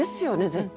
絶対。